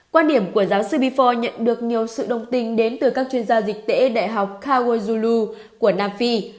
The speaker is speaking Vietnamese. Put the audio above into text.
quan điểm của giáo sư bifor nhận được nhiều sự đồng tình đến từ các chuyên gia dịch tễ đại học kawajulu của nam phi